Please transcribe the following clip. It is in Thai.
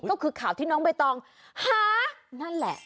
ก็คือข่าวที่น้องใบตองหานั่นแหละ